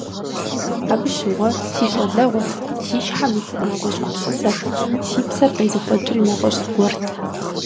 Абы щыгъуэ си щӀалэгъуэт, си щхьэм илъыр нэгъуэщӀ гупсысэт, си псэр къезыхуэкӀри нэгъуэщӀ зыгуэрт.